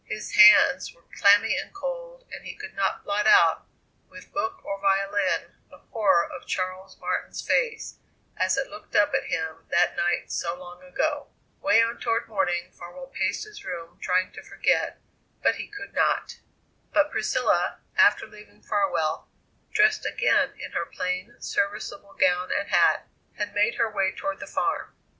His hands were clammy and cold, and he could not blot out with book or violin the horror of Charles Martin's face as it looked up at him that night so long ago. Way on toward morning Farwell paced his room trying to forget, but he could not. But Priscilla, after leaving Farwell, dressed again in her plain serviceable gown and hat, had made her way toward the farm.